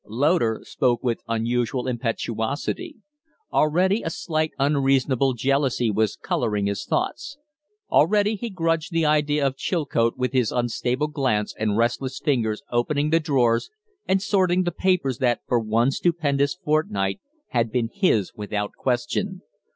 Loder spoke with unusual impetuosity. Already a slight, unreasonable jealousy was coloring his thoughts. Already he grudged the idea of Chilcote with his unstable glance and restless fingers opening the drawers and sorting the papers that for one stupendous fortnight had been his without question.